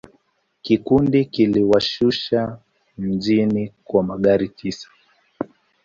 Kikundi kiliwashusha mjini kwa magari tisa.